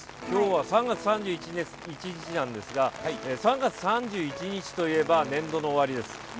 きょうは３月３１日なんですが３月３１日といえば年度の終わりです。